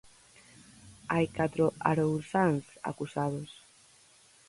Hai catro arousáns acusados.